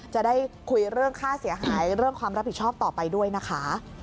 จะได้คุยเรื่องค่าเสียหายเรื่องความรับผิดชอบต่อไปด้วยนะคะ